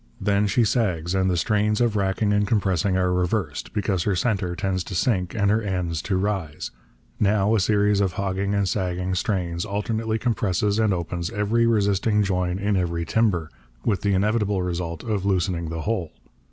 Then she sags, and the strains of racking and compressing are reversed, because her centre tends to sink and her ends to rise. Now, a series of hogging and sagging strains alternately compresses and opens every resisting join in every timber, with the inevitable result of loosening the whole.